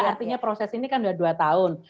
artinya proses ini kan sudah dua tahun